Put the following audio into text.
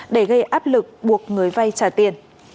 để gây áp lực buộc người vay trả tiền